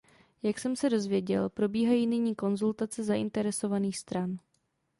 Jak jsem se dověděl, probíhají nyní konzultace zainteresovaných stran.